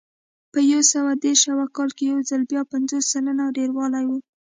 په یو سوه دېرش سوه کال کې یو ځل بیا پنځوس سلنې ډېروالی و